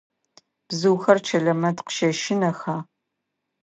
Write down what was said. Бзыухэр Чэлэмэт къыщэщынэха?